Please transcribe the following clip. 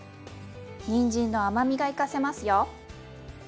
にんじんの甘みが生かせますよ。